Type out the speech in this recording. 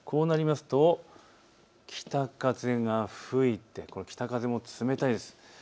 こうなりますと北風が吹いて北風も冷たいです。